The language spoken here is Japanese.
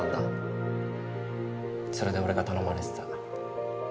それで俺が頼まれてた。